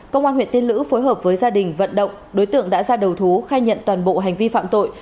công an huyện tiên lữ phối hợp với gia đình vận động đối tượng đã ra đầu thú khai nhận toàn bộ hành vi phạm tội